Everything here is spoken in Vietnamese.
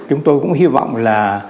chúng tôi cũng hy vọng là